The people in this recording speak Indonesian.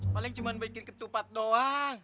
paling cuma bikin ketupat doang